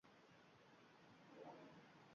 — Cholim Sibirga ketgan.